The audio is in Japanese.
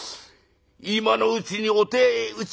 今のうちにお手討ちを」。